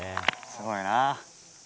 すごいな。